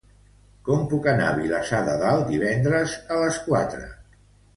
Com puc anar a Vilassar de Dalt divendres a les quatre?